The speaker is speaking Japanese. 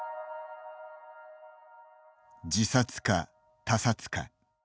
自殺か、他殺か。